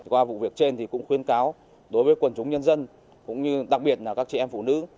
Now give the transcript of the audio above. qua vụ việc trên thì cũng khuyến cáo đối với quần chúng nhân dân cũng như đặc biệt là các chị em phụ nữ